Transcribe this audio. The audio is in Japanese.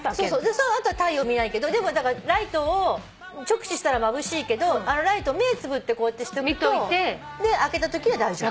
その後は太陽見ないけどライトを直視したらまぶしいけどあのライト目つぶってこうやってしとくとで開けたときは大丈夫。